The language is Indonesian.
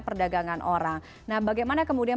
perdagangan orang nah bagaimana kemudian